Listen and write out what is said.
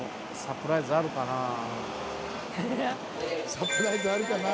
サプライズあるかな。